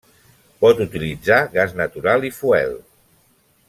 Pot utilitzar gas natural i fuel.